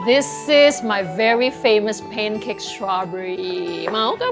ini adalah pancake strawberry yang sangat terkenal gue